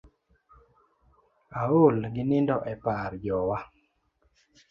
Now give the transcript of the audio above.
Aol gi nindo e par jowa.